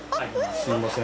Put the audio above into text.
すみません。